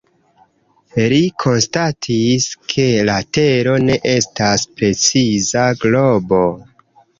Li konstatis, ke la Tero ne estas preciza globo.